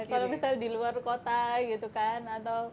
kalau misalnya di luar kota gitu kan